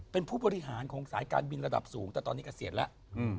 เป็นผู้บริหารของสายการบินระดับสูงแต่ตอนนี้เกษียณแล้ว